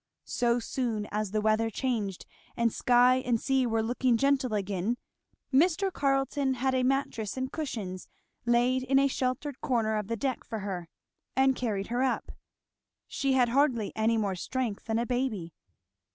So soon as the weather changed and sky and sea were looking gentle again, Mr. Carleton had a mattress and cushions laid in a sheltered corner of the deck for her, and carried her up. She had hardly any more strength than a baby.